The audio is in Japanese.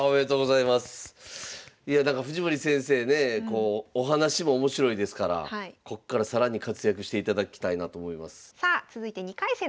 いやだから藤森先生ねお話も面白いですからこっから更に活躍していただきたいなと思います。